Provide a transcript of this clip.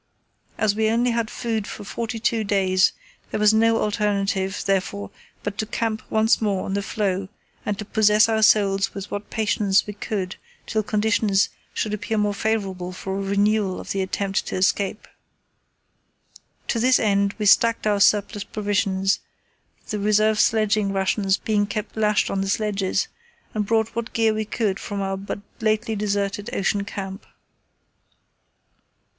As we only had food for forty two days there was no alternative, therefore, but to camp once more on the floe and to possess our souls with what patience we could till conditions should appear more favourable for a renewal of the attempt to escape. To this end, we stacked our surplus provisions, the reserve sledging rations being kept lashed on the sledges, and brought what gear we could from our but lately deserted Ocean Camp.